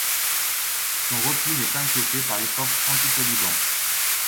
Son repli n'est pas inquiété par les forces anti-taliban.